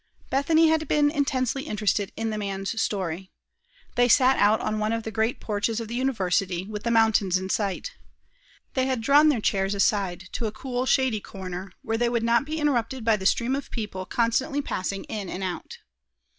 Bethany had been intensely interested in the man's story. They sat out on one of the great porches of the university, with the mountains in sight. They had drawn their chairs aside to a cool, shady corner, where they would not be interrupted by the stream of people constantly passing in and out.